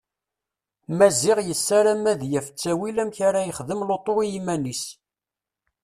Maziɣ yessaram ad yaf ttawil amek ara ixdem lutu u yiman-is.